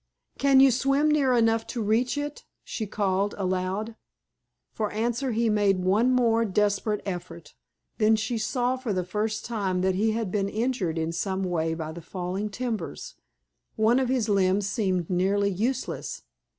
"Can you swim near enough to reach it?" she called aloud. For answer he made one more desperate effort; then she saw for the first time that he had been injured in some way by the falling timbers one of his limbs seemed nearly useless.